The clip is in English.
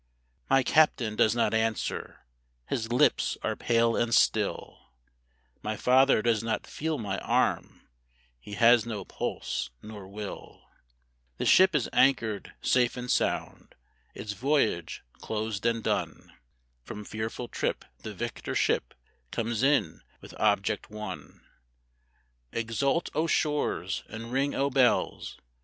My Captain does not answer, his lips are pale and still, My father does not feel my arm, he has no pulse nor will, The ship is anchored safe and sound, its voyage closed and done, From fearful trip the victor ship comes in with object won; Exult O shores, and ring O bells!